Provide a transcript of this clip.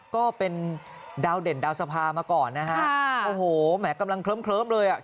ก็เป็นดาวเด่นดาวสภามาก่อนนะฮะโอ้โหแหมกำลังเคลิ้มเลยอ่ะ